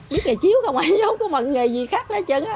biết nghề chiếu không không có mận nghề gì khác hết trơn á